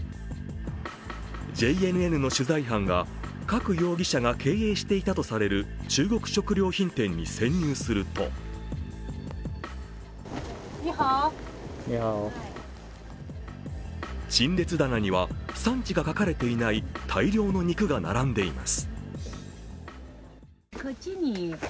ＪＮＮの取材班が郭容疑者が経営していたとされる中国食料品店に潜入すると陳列棚には、産地が書かれていない大量の肉が並んでいます。